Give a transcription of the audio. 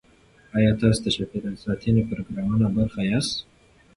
ایا تاسو د چاپیریال ساتنې پروګرامونو برخه یاست؟